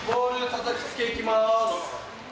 叩きつけいきます